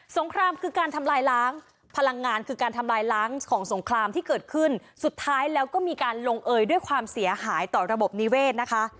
งครามคือการทำลายล้างพลังงานคือการทำลายล้างของสงครามที่เกิดขึ้นสุดท้ายแล้วก็มีการลงเอยด้วยความเสียหายต่อระบบนิเวศนะคะ